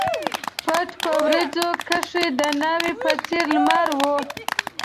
پټ په وریځو کښي د ناوي په څېر لمر و